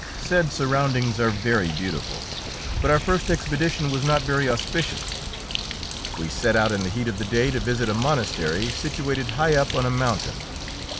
Said surroundings are very beautiful, but our first expedition was not very auspicious. We set out in the heat of the day to visit a monastery situated high up on a mountain.